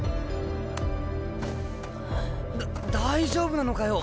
だ大丈夫なのかよ？